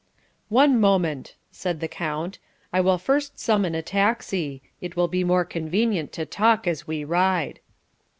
"One moment," said the count. "I will first summon a taxi. It will be more convenient to talk as we ride."